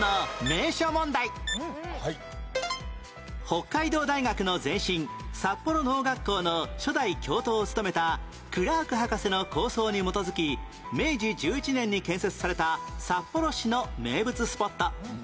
北海道大学の前身札幌農学校の初代教頭を務めたクラーク博士の構想に基づき明治１１年に建設された札幌市の名物スポット